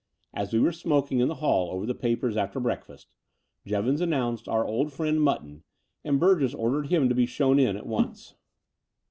As we were smoking in the hall over the papers after breakfast, Jevons announced our old friend Mutton; and Burgess ordered him to be shown in at once.